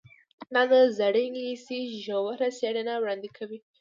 دا د زړې انګلیسي ژوره څیړنه وړاندې کوي.